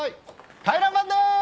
回覧板でーす！